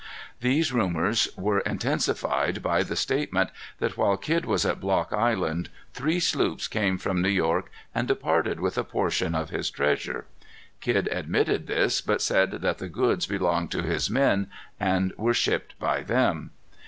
These rumors were intensified by the statement that while Kidd was at Block Island, three sloops came from New York and departed with a portion of his treasure. Kidd admitted this, but said that the goods belonged to his men and were shipped by them.